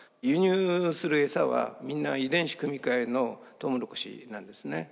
輸入するエサはみんな遺伝子組み換えのトウモロコシなんですね。